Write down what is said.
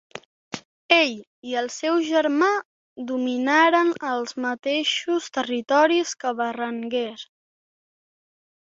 Ell i el seu germà dominaren els mateixos territoris que Berenguer.